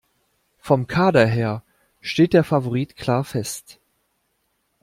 Vom Kader her steht der Favorit klar fest.